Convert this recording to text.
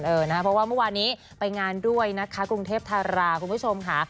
เพราะว่าเมื่อวานนี้ไปงานด้วยนะคะกรุงเทพธาราคุณผู้ชมค่ะ